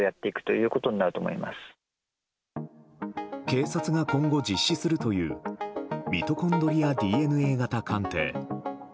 警察が今後実施するというミトコンドリアＤＮＡ型鑑定。